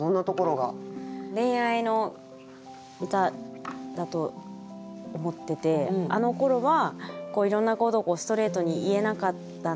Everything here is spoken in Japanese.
恋愛の歌だと思っててあの頃はいろんなことをストレートに言えなかったんだけど